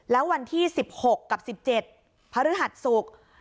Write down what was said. แล้ววันที่๑๖กับ๑๗พฤหัสศุกร์